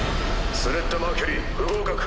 スレッタ・マーキュリー不合格。